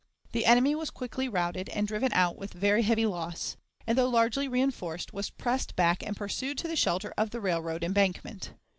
The enemy was quickly routed and driven out with very heavy loss, and, though largely reënforced, was pressed back and pursued to the shelter of the railroad embankment.